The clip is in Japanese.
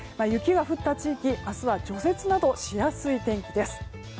雪が降った地域、明日は除雪などしやすい天気です。